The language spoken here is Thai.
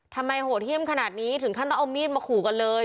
โหดเยี่ยมขนาดนี้ถึงขั้นต้องเอามีดมาขู่กันเลย